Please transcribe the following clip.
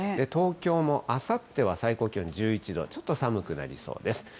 東京もあさっては最高気温１１度、ちょっと寒くなりそうです。